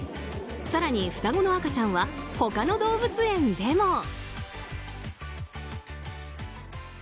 更に、双子の赤ちゃんは他の動物園でも。